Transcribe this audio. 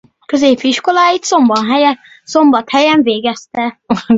Középiskoláit Szombathelyen végezte.